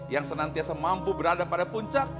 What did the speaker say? yang senantiasa mampu berada pada puncak